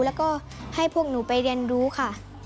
แล้วก็ให้พวกหนูไปเรียนรู้ค่ะ